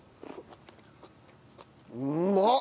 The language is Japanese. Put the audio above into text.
うまっ！